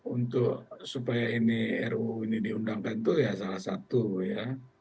untuk supaya ini ruu ini diundangkan itu ya salah satu ya